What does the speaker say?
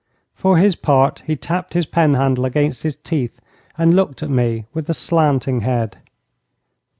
For his part he tapped his pen handle against his teeth, and looked at me with a slanting head.